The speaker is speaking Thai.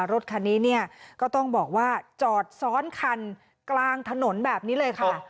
รถคันนี้เนี่ยก็ต้องบอกว่าจอดซ้อนคันกลางถนนแบบนี้เลยค่ะ